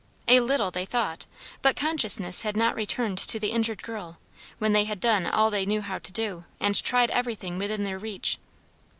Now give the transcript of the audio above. A little, they thought; but consciousness had not returned to the injured girl, when they had done all they knew how to do, and tried everything within their reach.